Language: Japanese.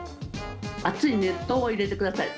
熱い熱湯を入れてください。